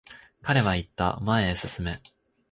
彼は言った、前へ進め。